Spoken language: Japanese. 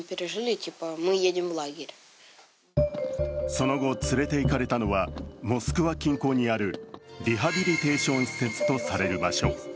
その後、連れていかれたのはモスクワ近郊にあるリハビリテーション施設とされる場所。